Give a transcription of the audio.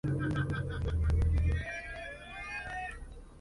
La población es anciana mayoritariamente con pocas esperanzas de crecimiento.